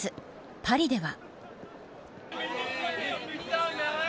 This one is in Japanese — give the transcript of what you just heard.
パリでは。